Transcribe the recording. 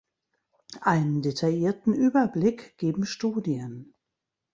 Einen detaillierten Überblick geben Studien.